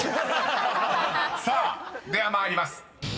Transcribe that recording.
［さあでは参ります］